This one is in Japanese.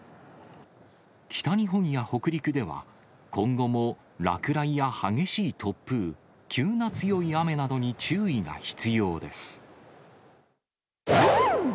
北日本や北陸では今後も落雷や激しい突風、急な強い雨などに注意が必要です。